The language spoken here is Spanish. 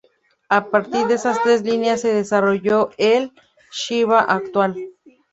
A partir de estas tres líneas se desarrolló el Shiba actual.